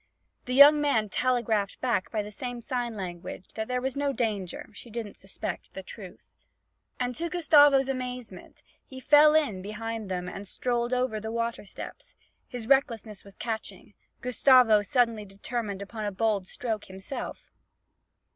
The young man telegraphed back by the same sign language that there was no danger; she didn't suspect the truth. And to Gustavo's amazement, he fell in beside them and strolled over to the water steps. His recklessness was catching; Gustavo suddenly determined upon a bold stroke himself.